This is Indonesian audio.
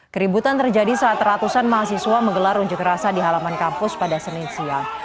keributan terjadi saat ratusan mahasiswa menggelar unjuk rasa di halaman kampus pada senin siang